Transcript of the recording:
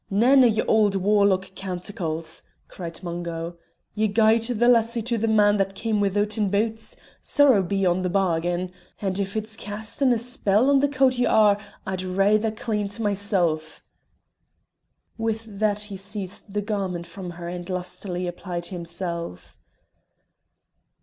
"Nane o' your warlock canticles!" cried Mungo. "Ye gied the lassie to the man that cam' withouten boots sorrow be on the bargain! And if it's cast in' a spell on the coat ye are, I'll raither clean't mysel'." With that he seized the garment from her and lustily applied himself.